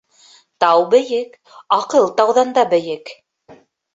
Тау бейек, аҡыл тауҙан да бейек.